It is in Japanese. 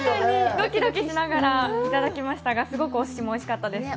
どきどきしながらいただきましたが、すごくおすしもおいしかったです。